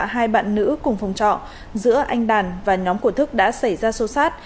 hai bạn nữ cùng phòng trọ giữa anh đàn và nhóm của thức đã xảy ra sâu sát